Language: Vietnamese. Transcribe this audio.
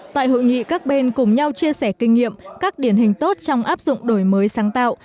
tại hội nghị các bên cùng nhau chia sẻ kinh nghiệm các điển hình tốt trong áp dụng đổi mới sáng tạo